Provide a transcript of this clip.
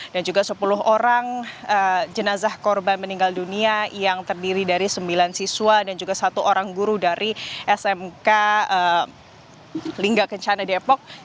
dan juga sepuluh orang jenazah korban meninggal dunia yang terdiri dari sembilan siswa dan juga satu orang guru dari smk lingga kecanda depok